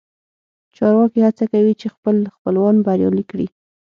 چارواکي هڅه کوي چې خپل خپلوان بریالي کړي